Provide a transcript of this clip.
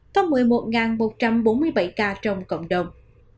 có một mươi một một trăm bốn mươi bảy ca trong cộng đồng